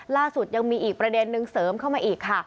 ล่าสุดยังมีอีกประเด็นนึงเสริมเข้ามาอีกค่ะ